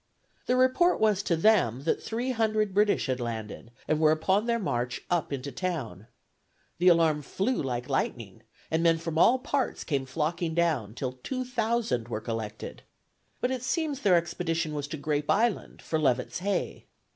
The report was to them that three hundred British had landed, and were upon their march up into town. The alarm flew like lightning, and men from all parts came flocking down, till two thousand were collected. But it seems their expedition was to Grape Island for Levett's hay.